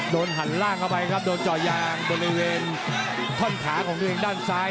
หันล่างเข้าไปครับโดนเจาะยางบริเวณท่อนขาของตัวเองด้านซ้าย